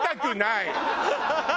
ハハハハ！